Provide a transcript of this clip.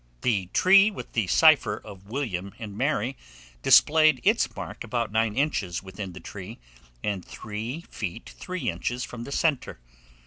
The tree with the cipher of William and Mary displayed its mark about nine inches within the tree, and three feet three inches from the centre.